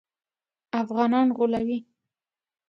افغانان غولوي.